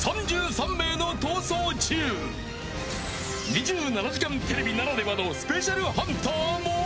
［『２７時間テレビ』ならではのＳＰハンターも！］